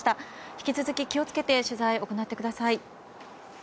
引き続き、気を付けて取材を行ってください。